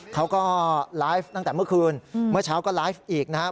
เขาก็ไลฟ์ตั้งแต่เมื่อคืนเมื่อเช้าก็ไลฟ์อีกนะครับ